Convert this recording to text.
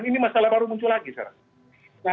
ini masalah baru muncul lagi sarah